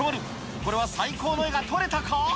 これは最高の絵が撮れたか？